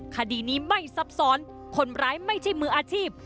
คดีนี้ไม่ซับซ้อนคนร้ายไม่ใช่มืออาชีพ